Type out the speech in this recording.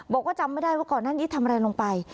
บอกว่าจำไม่ได้ว่าก่อนหน้านี้ทำอะไรลงไป